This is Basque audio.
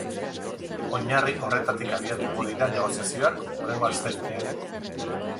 Oinarri horretatik abiatuko dira negoziazioak hurrengo astelehenean.